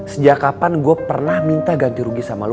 sejak kapan gue pernah minta ganti rugi sama lu